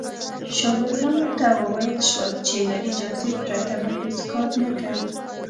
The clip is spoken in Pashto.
شاګردانو ته وویل شول چې له اجازې پرته به هېڅ کار نه کوي.